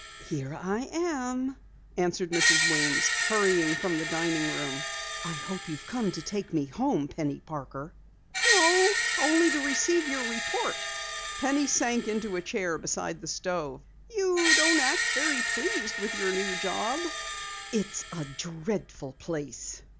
"Here I am," answered Mrs. Weems, hurrying from the dining room. "I hope you've come to take me home, Penny Parker!" "No, only to receive your report." Penny sank into a chair beside the stove. "You don't act very pleased with your new job." "It's a dreadful place.